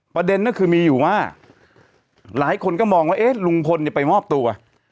ประเด็นก็คือมีอยู่ว่าหลายคนก็มองว่าเอ๊ะลุงพลไปมอบตัว